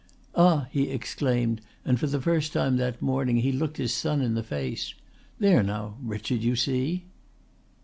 "Ah!" he exclaimed, and for the first time that morning he looked his son in the face. "There now, Richard, you see!"